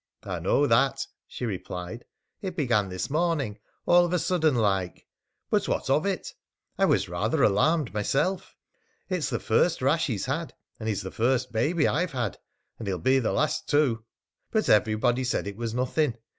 "I know that," she replied. "It began this morning, all of a sudden like. But what of it? I was rather alarmed myself, as it's the first rash he's had, and he's the first baby I've had and he'll be the last too. But everybody said it was nothing.